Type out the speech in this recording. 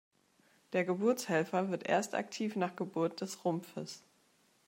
Der Geburtshelfer wird erst aktiv nach Geburt des Rumpfes.